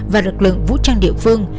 và lực lượng vũ trang địa phương